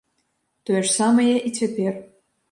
Тое ж самае і цяпер.